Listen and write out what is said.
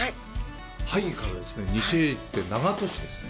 萩からですね、西へ行って長門市ですね。